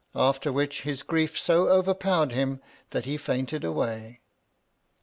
After which, his grief so overpowered him, that he fainted away.